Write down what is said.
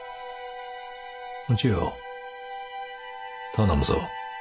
お千代頼むぞ。